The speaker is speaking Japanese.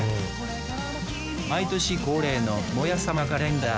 毎年恒例のモヤさまカレンダー。